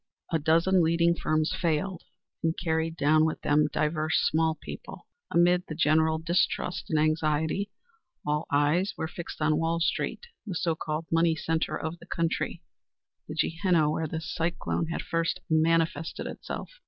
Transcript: A dozen leading firms failed and carried down with them diverse small people. Amid the general distrust and anxiety all eyes were fixed on Wall street, the so called money centre of the country, the Gehenna where this cyclone had first manifested itself.